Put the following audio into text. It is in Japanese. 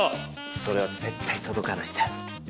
それは絶対届かないんだよ。